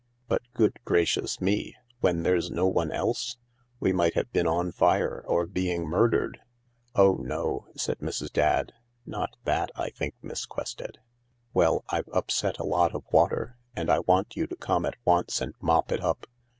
" But, good gracious me I— when there's no one else ? We might have been on fire or being murdered 1 " "Oh no," said Mrs. Dadd, "not that, I think, Miss Quested." " Well, I've upset a lot of water, and I want you to come at once and mop it up.